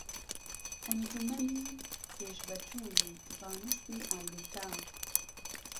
ئەنجوومەنی پێشڤەچوونی زانستی ئەمریكا